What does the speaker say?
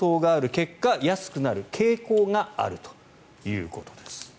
結果やすくなる傾向があるということです。